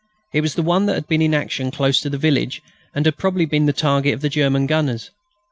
It was the one that had been in action close to the village, and had probably been the target of the German gunners.